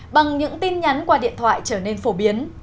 bằng những tin nhắn qua điện thoại trở nên phổ biến